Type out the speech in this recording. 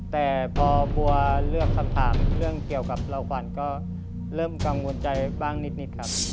แต่พอบัวเลือกคำถามเรื่องเกี่ยวกับเราขวัญก็เริ่มกังวลใจบ้างนิดครับ